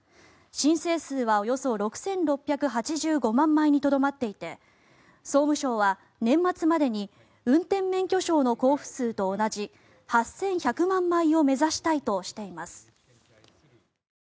申請数はおよそ６６８５万枚にとどまっていて総務省は、年末までに運転免許証の交付数と同じ８１００万枚を目指したいとしています。